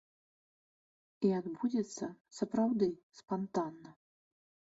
І адбудзецца сапраўды спантанна.